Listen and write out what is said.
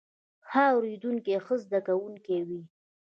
ښه اوریدونکی ښه زده کوونکی وي